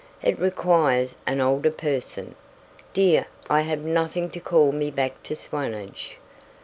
It requires an older person. Dear, I have nothing to call me back to Swanage."